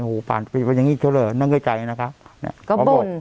โอ้โหป่านไปวันยังงี้เฉลิยนั่งในใจนะครับก็บ่น